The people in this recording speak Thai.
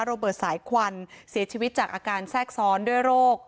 โรเบิร์ตสายควันเสียชีวิตจากอาการแทรกซ้อนด้วยโรค